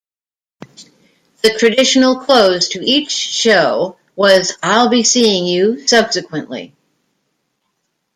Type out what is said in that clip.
The traditional close to each show was "I'll be seeing you subsequently.".